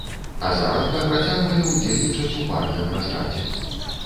Азаранка працягвае ўдзельнічаць у парным разрадзе.